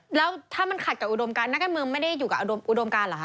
แล้วถ้ามันขัดกับอุดมการนักการเมืองไม่ได้อยู่กับอุดมการเหรอคะ